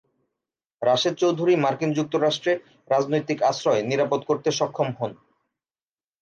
রাশেদ চৌধুরী মার্কিন যুক্তরাষ্ট্রে রাজনৈতিক আশ্রয় নিরাপদ করতে সক্ষম হন।